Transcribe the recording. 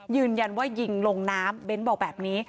ยืนยันว่ายิงลงน้ำเบ้นบอกแบบนี้